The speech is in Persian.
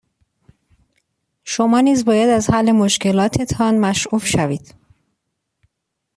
شما نیز باید از حل مشکلاتتان مشعوف شوید.